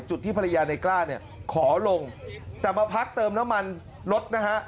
ที่ภรรยาในกล้าเนี่ยขอลงแต่มาพักเติมน้ำมันรถนะฮะ